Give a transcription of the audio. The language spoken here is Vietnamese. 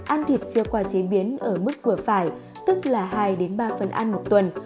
ăn thịt chưa qua chế biến ở mức vừa phải tức là hai ba phần ăn một tuần